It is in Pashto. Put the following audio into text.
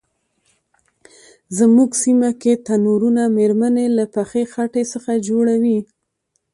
زمونږ سیمه کې تنرونه میرمنې له پخې خټې څخه جوړوي.